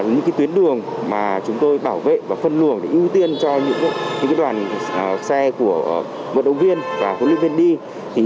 những tuyến đường mà chúng tôi bảo vệ và phân luồng để ưu tiên cho những đoàn xe của vận động viên và huấn luyện viên đi